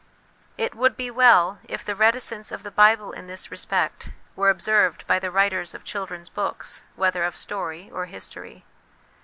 It would be well if the reticence of the Bible in this respect were observed by the writers of children's books, whether of story or history.